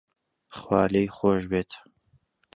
خوا لێی خۆش بێت